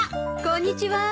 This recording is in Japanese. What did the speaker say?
こんにちは。